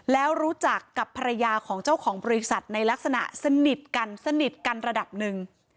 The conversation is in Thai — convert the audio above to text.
แล้วรู้จักกับภรรยาของเจ้าของบริษัทในลักษณะสนิทกันสนิทกันระดับหนึ่ง